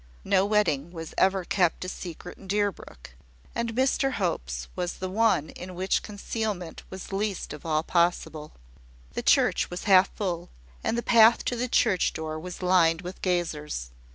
No wedding was ever kept a secret in Deerbrook; and Mr Hope's was the one in which concealment was least of all possible. The church was half full, and the path to the church door was lined with gazers.